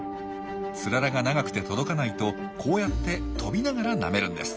ツララが長くて届かないとこうやって飛びながらなめるんです。